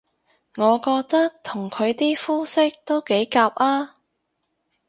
我覺得同佢啲膚色都幾夾吖